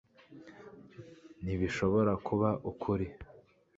ntibishobora kuba ukuri